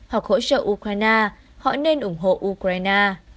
hoặc hỗ trợ ukraine họ nên ủng hộ ukraine